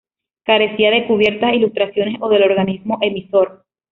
Carecía de cubierta, ilustraciones o del organismo emisor.